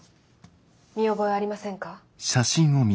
見覚えありませんか？